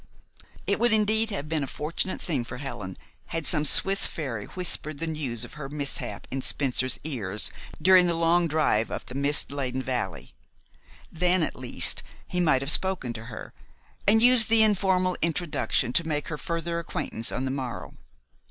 It would indeed have been a fortunate thing for Helen had some Swiss fairy whispered the news of her mishap in Spencer's ears during the long drive up the mist laden valley. Then, at least, he might have spoken to her, and used the informal introduction to make her further acquaintance on the morrow.